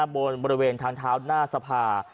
บริเวณทางเท้าหน้าสภา